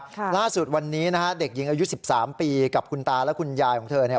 ล่าสุดวันนี้นะฮะเด็กหญิงอายุสิบสามปีกับคุณตาและคุณยายของเธอเนี่ย